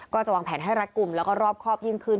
ก็จะวางแผนให้รัดกลุ่มแล้วก็รอบครอบยิ่งขึ้น